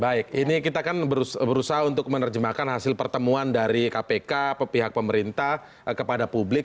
baik ini kita kan berusaha untuk menerjemahkan hasil pertemuan dari kpk pihak pemerintah kepada publik